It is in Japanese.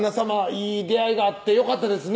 いい出会いがあってよかったですね